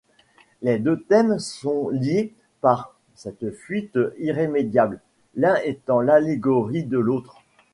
Les deux thèmes sont liés par cette fuite irrémédiable, l'un étant l'allégorie de l'autre.